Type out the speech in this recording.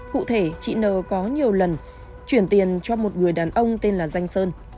cụ thể chị n có nhiều lần chuyển tiền cho một người đàn ông tên là danh sơn